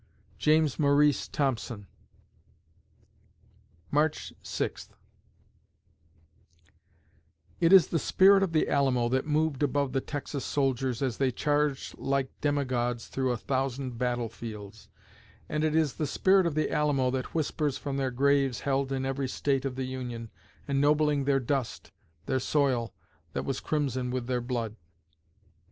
JAMES MAURICE THOMPSON March Sixth It is the spirit of the Alamo that moved above the Texas soldiers as they charged like demigods through a thousand battlefields, and it is the spirit of the Alamo that whispers from their graves held in every State of the Union, ennobling their dust, their soil, that was crimson with their blood.